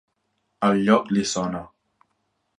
El lloc li sona.